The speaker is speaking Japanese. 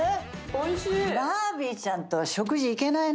おいしい。